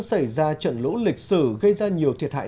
xảy ra trận lũ lịch sử gây ra nhiều thiệt hại